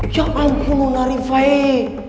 ya ampun loh narifaih